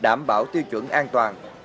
đảm bảo tiêu chuẩn an toàn